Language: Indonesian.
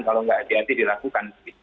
kalau tidak hati hati dilakukan